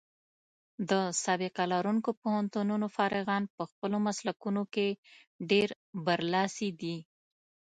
د سابقه لرونکو پوهنتونونو فارغان په خپلو مسلکونو کې ډېر برلاسي دي.